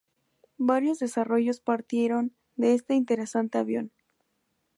Varios desarrollos partieron de este interesante avión.